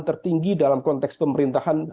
tertinggi dalam konteks pemerintahan